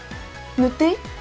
塗っていい？